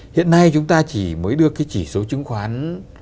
hiện nay chúng ta chỉ mới đưa cái chỉ số chứng khoán